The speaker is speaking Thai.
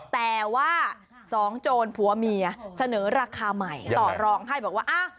แต่ว่าสองโจรผัวเมียเสนอราคาใหม่ต่อรองให้บอกว่า